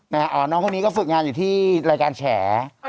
น้องคนนี้ก็ฝึกงานอยู่ที่รายการแฉ